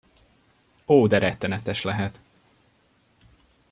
Ó de rettenetes lehet!